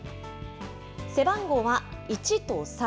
背番号は１と３。